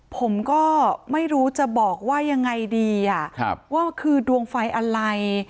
ผมก็ไม่รู้จะบอกว่ายังไงดีว่ามันคือดวงไฟอะไร